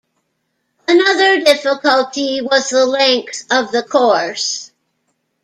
Another difficulty was the length of the course.